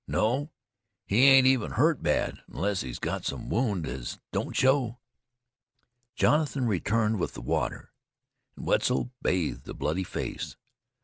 No, he ain't even hurt bad, unless he's got some wound as don't show." Jonathan returned with the water, and Wetzel bathed the bloody face.